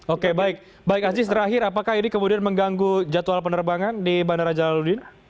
oke baik baik aziz terakhir apakah ini kemudian mengganggu jadwal penerbangan di bandara jalaludin